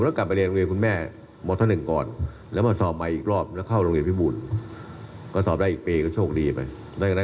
เหมือนถึงคุณครูว่าอาจารย์